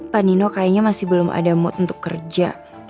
pak nino kayaknya masih belum ada mood untuk kerja